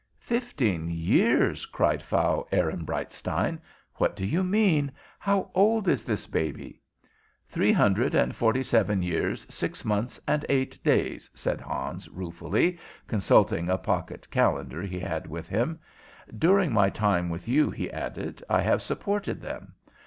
"Fifteen years?" cried Frau Ehrenbreitstein. "What do you mean? How old is this baby?" "Three hundred and forty seven years, six months, and eight days," said Hans, ruefully, consulting a pocket calendar he had with him. "During my time with you," he added, "I have supported them.